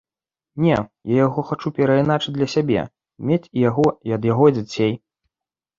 Не, я яго хачу перайначыць для сябе, мець і яго і ад яго дзяцей.